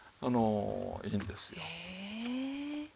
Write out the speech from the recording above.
いいんですよ。へえ。